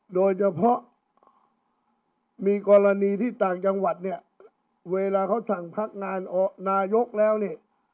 โดยเฉพาะมีกรณีที่ต่างจังหวัดเนี่ยเวลาเขาสั่งพักงานนายกแล้วเนี่ย